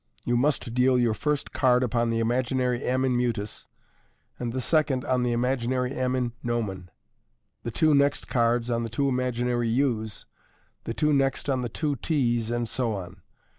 You must deal your first card upon the imaginary M in mutus, and the second on the imaginary M in no men, the two next cards on the two imaginary U's, the two next on the two T's, and so on.